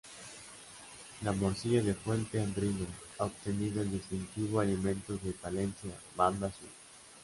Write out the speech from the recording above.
La morcilla de Fuente-Andrino ha obtenido el distintivo Alimentos de Palencia Banda Azul.